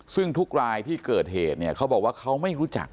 ซึ่งทุกรายที่เกิดเหตุเนี่ยเขาบอกว่าเขาไม่รู้จัก